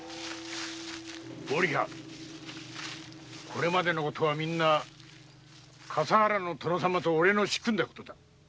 これまでのことはすべて笠原の殿様とおれの仕組んだことだ。